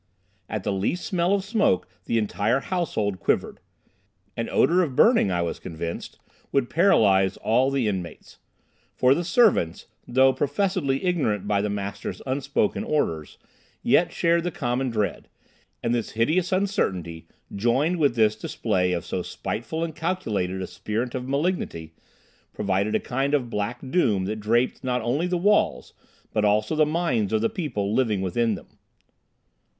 At the least smell of smoke the entire household quivered. An odour of burning, I was convinced, would paralyse all the inmates. For the servants, though professedly ignorant by the master's unspoken orders, yet shared the common dread; and the hideous uncertainty, joined with this display of so spiteful and calculated a spirit of malignity, provided a kind of black doom that draped not only the walls, but also the minds of the people living within them.